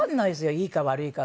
いいか悪いかが。